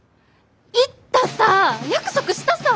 言ったさぁ約束したさ！